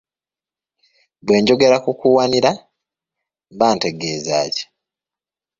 Bwe njogera ku kuwanira, mba ntegeeza ki?